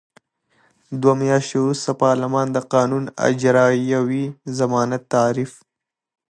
دوه میاشتې وروسته پارلمان د قانون اجرايوي ضمانت تعریف.